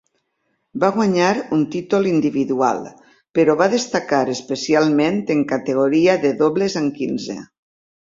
Va guanyar un títol individual però va destacar especialment en categoria de dobles amb quinze.